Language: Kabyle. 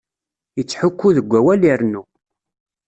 Ittḥukku deg awal irennu.